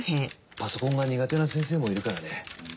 パソコンが苦手な先生もいるからね。